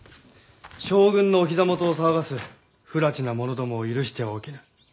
将軍のお膝元を騒がす不埒な者どもを許してはおけぬ。